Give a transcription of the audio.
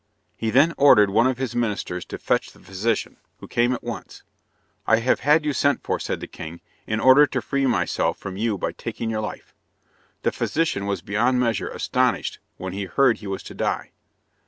He then ordered one of his ministers to fetch the physician, who came at once. "I have had you sent for," said the king, "in order to free myself from you by taking your life." The physician was beyond measure astonished when he heard he was to die.